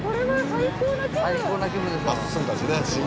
最高な気分でしょ。